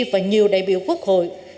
và nhiều đại biểu quốc hội